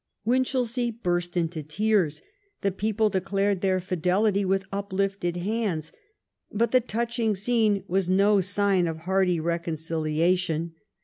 Winch elsea burst into tears. The people declared their fidelity with uplifted hands. But the touching scene was no sign of hearty reconciliation.